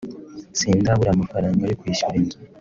sindabura amafaranga yo kwishyura inzu